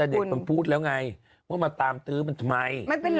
เด็กมันพูดแล้วไงว่ามาตามตื้อมันทำไม